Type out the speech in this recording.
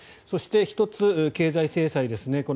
そして、１つ経済制裁ですね